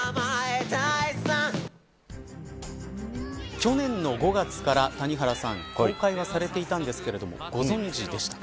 去年の５月から、谷原さん公開はされていたんですがご存じでしたか。